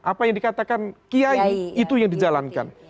apa yang dikatakan kiai itu yang dijalankan